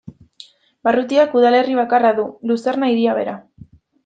Barrutiak udalerri bakarra du, Luzerna hiria bera.